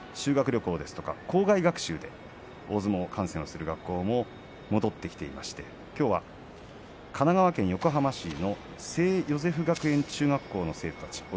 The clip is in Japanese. ご覧のように修学旅行ですとか校外学習で大相撲観戦をする学校も戻ってきていまして神奈川県横浜市の聖ヨゼフ学園中学校の生徒たち